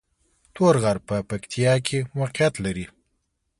تور غر په پکتیا کې موقعیت لري